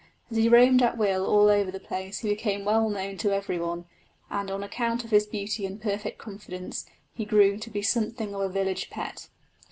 As he roamed at will all over the place he became well known to every one, and on account of his beauty and perfect confidence he grew to be something of a village pet.